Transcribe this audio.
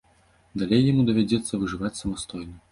Далей яму давядзецца выжываць самастойна.